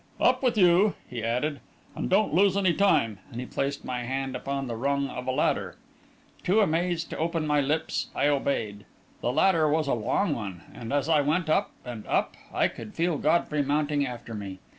"Up with, you," he added; "and don't lose any time," and he placed my hand upon the rung of a ladder. Too amazed to open my lips, I obeyed. The ladder was a long one, and, as I went up and up, I could feel Godfrey mounting after me.